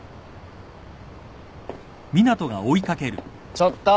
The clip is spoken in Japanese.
ちょっと！